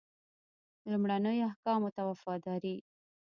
لومړنیو احکامو ته وفاداري.